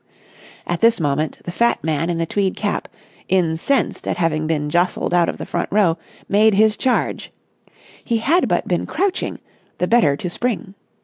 At this moment, the fat man in the tweed cap, incensed at having been jostled out of the front row, made his charge. He had but been crouching, the better to spring.